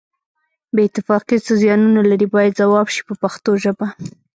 بې اتفاقي څه زیانونه لري باید ځواب شي په پښتو ژبه.